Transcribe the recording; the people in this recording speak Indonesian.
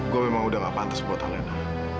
gua memang udah nggak pantas buat elena